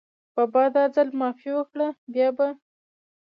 بابا دا ځل معافي وکړه، بیا به …